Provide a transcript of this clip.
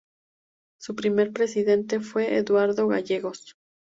Su primer presidente fue Eduardo Gallegos.